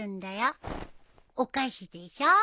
お菓子でしょ？